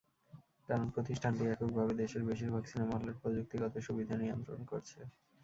কারণ প্রতিষ্ঠানটি এককভাবে দেশের বেশির ভাগ সিনেমা হলের প্রযুক্তিগত সুবিধা নিয়ন্ত্রণ করছে।